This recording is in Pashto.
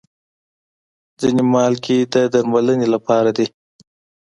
ځینې مالګې د درملنې لپاره دي.